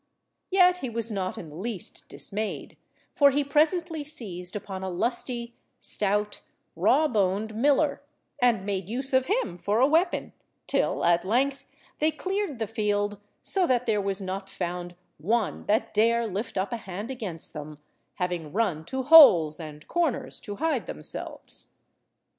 Yet he was not in the least dismayed, for he presently seized upon a lusty, stout, raw–boned miller, and made use of him for a weapon, till at length they cleared the field, so that there was not found one that dare lift up a hand against them, having run to holes and corners to hide themselves.